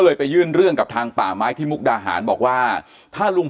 ไปยื่นเรื่องกับทางป่าไม้ที่มุกดาหารบอกว่าถ้าลุง